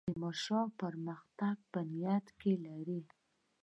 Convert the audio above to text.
تیمورشاه پرمختګ په نیت کې لري.